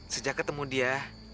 sejak ketemu dia